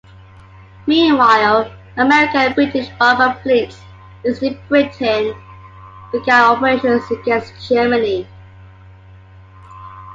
Meanwhile, American and British bomber fleets, based in Britain, began operations against Germany.